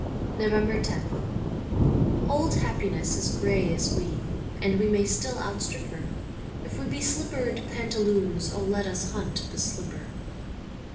349 NOVEMBER loth OLD happiness is grey as we And we may still outstrip her ; If we be slippered pantaloons let us hunt the slipper